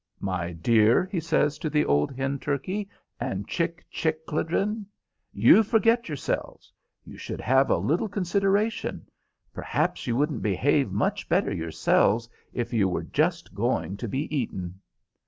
"My dear," he says to the old hen turkey, and chick chickledren, "you forget yourselves; you should have a little consideration. Perhaps you wouldn't behave much better yourselves if you were just going to be eaten."